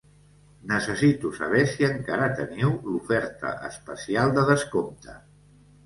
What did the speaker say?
Necessito saber si encara teniu l,oferta especial de descompte.